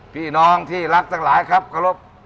พี่น้องที่รักตำหรัคครับ